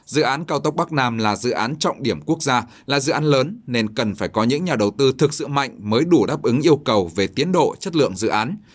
dự án cao tốc bắc nam là dự án trọng điểm quốc gia là dự án lớn nên cần phải có những nhà đầu tư thực sự mạnh mới đủ đáp ứng yêu cầu về tiến độ chất lượng dự án